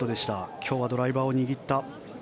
今日はドライバーを握った。